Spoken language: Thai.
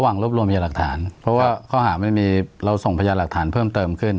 รบรวมยาหลักฐานเพราะว่าข้อหาไม่มีเราส่งพยานหลักฐานเพิ่มเติมขึ้น